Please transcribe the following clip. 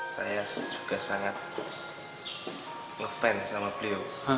saya juga sangat ngefan sama beliau